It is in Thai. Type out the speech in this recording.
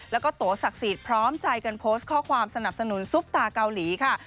แล้วก็โตศักดิ์สิทธิ์พร้อมใจกันโพสต์ข้อความสนับสนุนซุปตาเกาหลีค่ะ